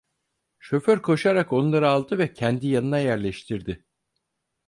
Şoför koşarak onları aldı ve kendi yanına yerleştirdi.